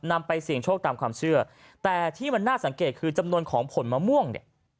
นำไปเสี่ยงโชคตามความเชื่อแต่ที่มันน่าสังเกตคือจำนวนของผลมะม่วงเนี่ย